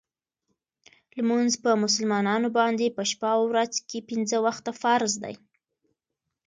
لمونځ په مسلمانانو باندې په شپه او ورځ کې پنځه وخته فرض دی .